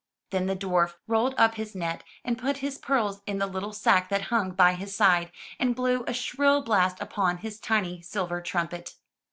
Then the dwarf rolled up his net, and put his pearls in the little sack that hung by his side, and blew a shrill blast upon his tiny silver trumpet.